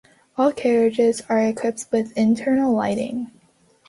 All carriages are equipped with internal lighting.